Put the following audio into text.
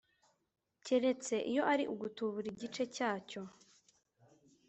Keretse iyo ari ugutubura igice cyacyo